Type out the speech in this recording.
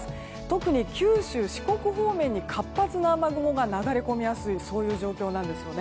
特に九州、四国方面に活発な雨雲が流れ込みやすいそういう状況なんです。